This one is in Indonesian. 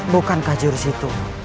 bukankah jurus itu